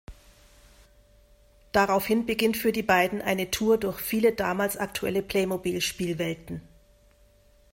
Daraufhin beginnt für die beiden eine Tour durch viele damals aktuelle Playmobil-Spielwelten.